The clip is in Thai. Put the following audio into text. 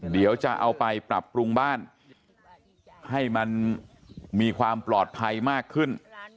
เดี๋ยวจะเอาไปปรับปรุงบ้านให้มันมีความปลอดภัยมากขึ้น